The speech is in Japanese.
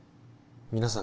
皆さん